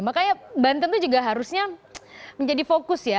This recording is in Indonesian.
makanya banten itu juga harusnya menjadi fokus ya